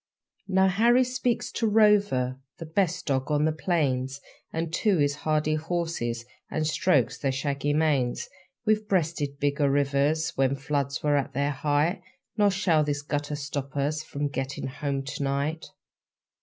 Now Harry speaks to Rover, The best dog on the plains, And to his hardy horses, And strokes their shaggy manes; 'We've breasted bigger rivers When floods were at their height Nor shall this gutter stop us From getting home to night!'